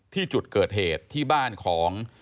ที่จุดเกิดเหตุที่บ้านของ